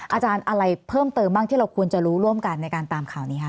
อาจารย์อะไรเพิ่มเติมบ้างที่เราควรจะรู้ร่วมกันในการตามข่าวนี้คะ